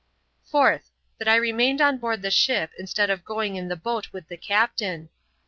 'Fourth. That I remained on board the ship, instead of going in the boat with the captain.